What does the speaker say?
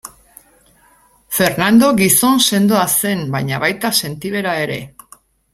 Fernando gizon sendoa zen baina baita sentibera ere.